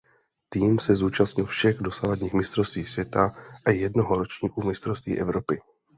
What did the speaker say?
Tým se zúčastnil všech dosavadních mistrovství světa a jednoho ročníku mistrovství Evropy.